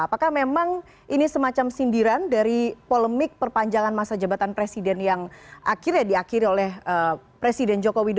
apakah memang ini semacam sindiran dari polemik perpanjangan masa jabatan presiden yang akhirnya diakhiri oleh presiden joko widodo